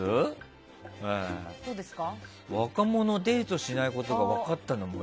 若者、デートしないことが分かったの森。